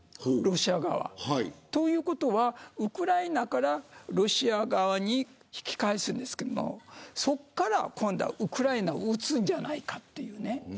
ロシア側は。ということはウクライナからロシア側に引き返すんですけどもそこから、今度はウクライナを撃つんじゃないかというね。